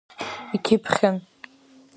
Икьыԥхьын…